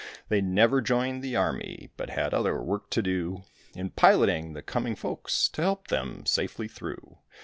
They never joined the army, But had other work to do In piloting the coming folks, To help them safely through.